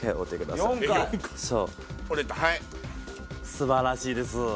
素晴らしいです。